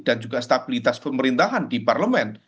dan juga stabilitas pemerintahan di parlemen